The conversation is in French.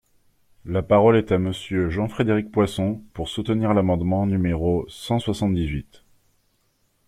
La parole est à Monsieur Jean-Frédéric Poisson, pour soutenir l’amendement numéro cent soixante-dix-huit.